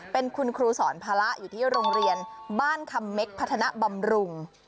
เป็นคุณครูสอนภาระอยู่ที่โรงเรียนบ้านคำเม็กพัฒนบำรุง